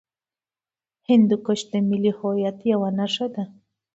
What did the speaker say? هندوکش د ملي هویت یوه نښه ده.